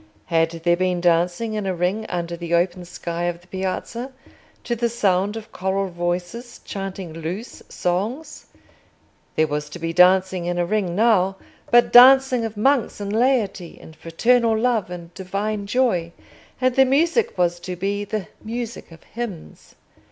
Had there been dancing in a ring under the open sky of the Piazza, to the sound of choral voices chanting loose songs? There was to be dancing in a ring now, but dancing of monks and laity in fraternal love and divine joy, and the music was to be the music of hymns.